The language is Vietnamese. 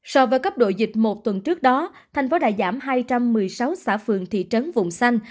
so với cấp độ dịch một tuần trước đó thành phố đã giảm hai trăm một mươi sáu xã phường thị trấn vùng xanh